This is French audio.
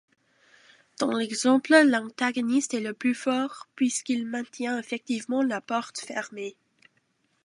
Dans l'exemple, l'antagoniste est le plus fort, puisqu'il maintient effectivement la porte fermée.